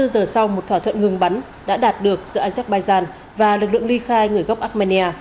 hai mươi giờ sau một thỏa thuận ngừng bắn đã đạt được giữa azerbaijan và lực lượng ly khai người gốc armenia